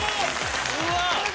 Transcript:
うわ！